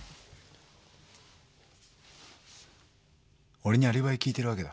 俺にアリバイ聞いてるわけだ。